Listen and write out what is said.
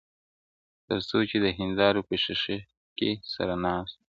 تر څو چي د هيندارو په ښيښه کي سره ناست وو